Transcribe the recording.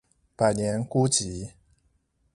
百年孤寂